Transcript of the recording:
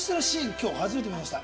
今日初めて見ました。